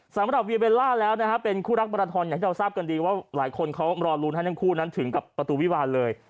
สำหรับเวียเบลล่าแล้วนะฮะเป็นคู่รักมาราทอนอย่างที่เราทราบกันดีว่าหลายคนเขารอลุ้นให้ทั้งคู่นั้นถึงกับประตูวิวาลเลย